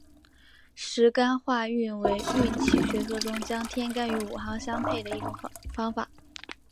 十干化运为运气学说中将天干与五行相配的一种方法。